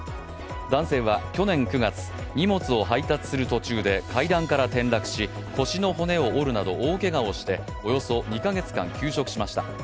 男性は、去年９月荷物を配達する途中で階段から転落し腰の骨を折るなど大けがをしておよそ２か月間、休職しました。